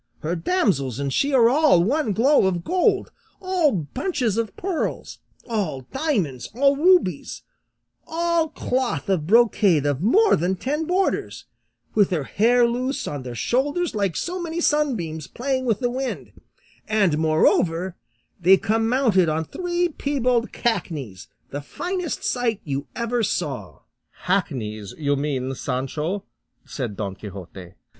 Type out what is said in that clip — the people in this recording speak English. Her damsels and she are all one glow of gold, all bunches of pearls, all diamonds, all rubies, all cloth of brocade of more than ten borders; with their hair loose on their shoulders like so many sunbeams playing with the wind; and moreover, they come mounted on three piebald cackneys, the finest sight ever you saw." "Hackneys, you mean, Sancho," said Don Quixote.